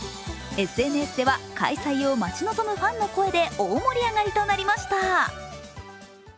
ＳＮＳでは開催を待ち望むファンの声で大盛り上がりとなりました。